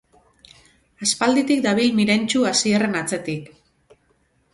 Aspalditik dabil Mirentxu Asierren atzetik.